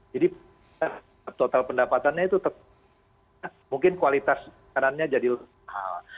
jadi total pendapatannya itu mungkin kualitas makanannya jadi lebih mahal